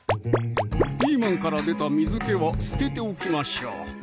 ピーマンから出た水気は捨てておきましょう